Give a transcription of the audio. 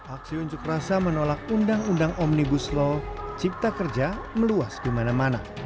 aksi unjuk rasa menolak undang undang omnibus law cipta kerja meluas di mana mana